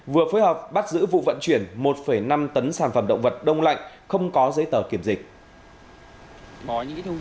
vừa phối hợp bắt giữ vụ vận chuyển một năm tấn sản phẩm động vật đông lạnh không có giấy tờ kiểm dịch